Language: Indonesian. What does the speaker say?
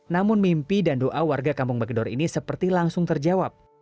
namun mimpi dan doa warga kampung bagedor ini seperti langsung terjawab